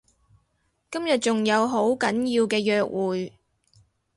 今日仲有好緊要嘅約會